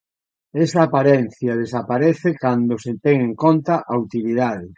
Esa aparencia desaparece cando se ten en conta a utilidade.